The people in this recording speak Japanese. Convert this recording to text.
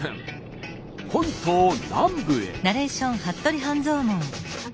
本島南部へ。